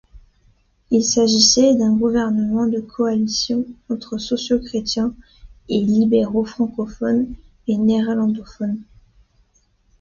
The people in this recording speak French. Il s'agissait d'un gouvernement de coalition entre sociaux-chrétiens et libéraux francophones et néerlandophones.